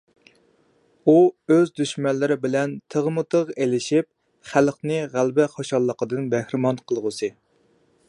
ئۇ ئۆز دۈشمەنلىرى بىلەن تىغمۇتىغ ئېلىشىپ، خەلقنى غەلىبە خۇشاللىقىدىن بەھرىمەن قىلغۇسى.